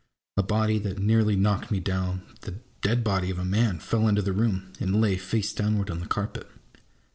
A body that nearly knocked me down, the dead body of a man, fell into the room, and lay, face downward, on the carpet.